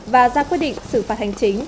và ra quyết định xử phạt hành chính